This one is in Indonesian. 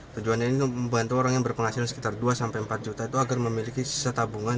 tujuannya ini membantu orang yang berpenghasilan sekitar dua sampai empat juta itu agar memiliki sisa tabungan